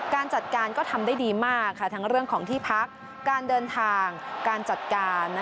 การจัดการก็ทำได้ดีมากทั้งเรื่องของที่พักการเดินทางการจัดการ